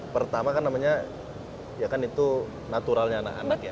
pertama kan namanya ya kan itu naturalnya anak anak ya